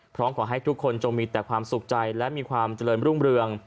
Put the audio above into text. พร้อมขอให้ทุกคนจงมีแต่ความสุขใจและมีความเจริญรุ่งเรือง